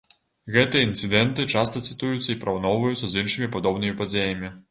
Гэтыя інцыдэнты часта цытуюцца і параўноўваюцца з іншымі падобнымі падзеямі.